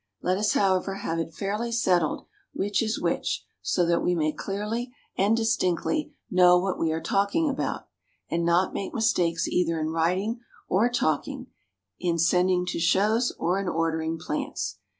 Let us, however, have it fairly settled which is which, so that we may clearly and distinctly know what we are talking about, and not make mistakes either in writing or talking, in sending to shows, or in ordering plants."